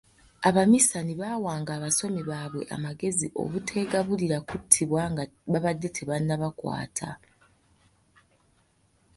Abamisani baawanga abasomi baabwe amagezi obuteegabulira kuttibwa nga babadde tebannabakwata.